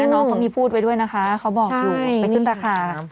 น้องเขามีพูดไว้ด้วยนะคะเขาบอกอยู่ไปขึ้นราคา